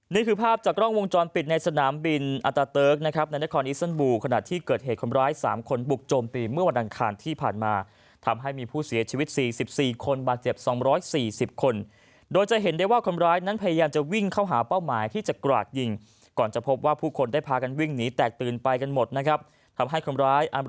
นี่คือภาพจากกล้องวงจรปิดในสนามบินอาตาเติร์กนะครับในนครอิซันบูขณะที่เกิดเหตุคนร้าย๓คนบุกโจมตีเมื่อวันอังคารที่ผ่านมาทำให้มีผู้เสียชีวิต๔๔คนบาดเจ็บ๒๔๐คนโดยจะเห็นได้ว่าคนร้ายนั้นพยายามจะวิ่งเข้าหาเป้าหมายที่จะกราดยิงก่อนจะพบว่าผู้คนได้พากันวิ่งหนีแตกตื่นไปกันหมดนะครับทำให้คนร้าย